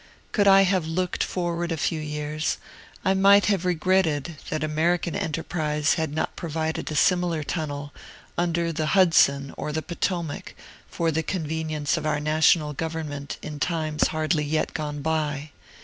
Could I have looked forward a few years, I might have regretted that American enterprise had not provided a similar tunnel, under the Hudson or the Potomac, for the convenience of our National Government in times hardly yet gone by.